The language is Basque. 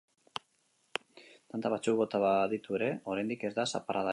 Tanta batzuk bota baditu ere, oraindik ez da zaparradarik izan.